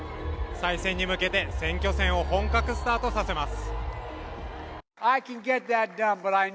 再選に向けて選挙戦を本格スタートさせます。